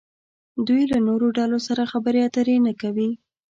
دوی له نورو ډلو سره خبرې اترې نه کوي.